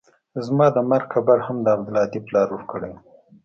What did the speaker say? زما د مرګ خبر هم د عبدالهادي پلار ورکړى و.